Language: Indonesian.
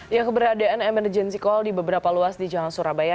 ya keberadaan emergency call di beberapa luas di jalan surabaya